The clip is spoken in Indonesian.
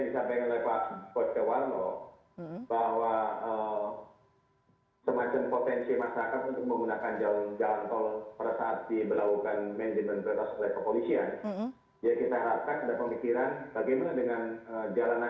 saya kira satu hal yang saya inginkan